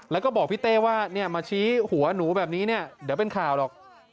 แล้วก็บอกพี่เต้ว่ามาชี้หัวหนูแบบนี้เนี่ยเดี๋ยวเป็นข่าวหรอก